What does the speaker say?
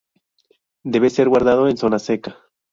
Debe ser guardado en una zona seca.